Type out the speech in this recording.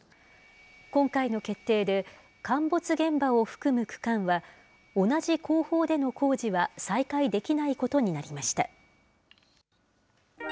今回の決定で、陥没現場を含む区間は、同じ工法での工事は再開できないことになりました。